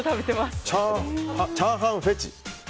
チャーハンフェチ？